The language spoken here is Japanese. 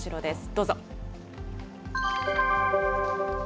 どうぞ。